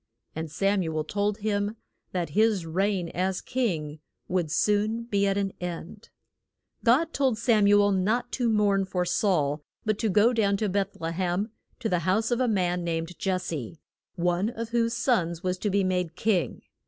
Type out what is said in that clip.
And Sam u el told him that his reign as king would soon be at an end. [Illustration: DA VID A NOINT ED BY SAM U EL.] God told Sam u el not to mourn for Saul, but to go down to Beth le hem, to the house of a man named Jes se, one of whose sons was to be made king.